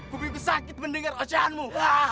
kupikus sakit mendengar ucaanmu